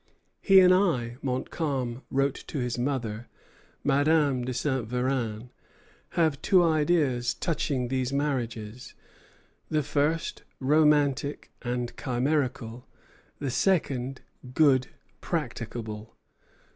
"He and I," Montcalm wrote to his mother, Madame de Saint Véran, "have two ideas touching these marriages, the first, romantic and chimerical; the second, good, practicable."